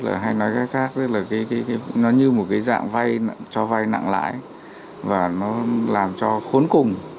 tỷ lệ lãi xuất hay nói cách khác nó như một dạng cho vay nặng lãi và nó làm cho khốn cùng